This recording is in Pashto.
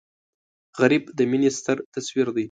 غریب د مینې ستر تصویر دی